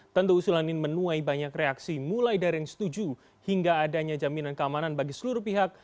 tentu usulan ini menuai banyak reaksi mulai dari yang setuju hingga adanya jaminan keamanan bagi seluruh pihak